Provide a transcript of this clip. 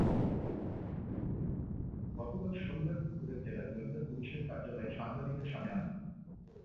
গতকাল শনিবার দুপুরে জেলা গোয়েন্দা পুলিশের কার্যালয়ে সাংবাদিকদের সামনে আনা হয়।